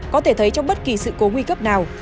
có thể thấy trong bất kỳ sự cố nguy cấp nào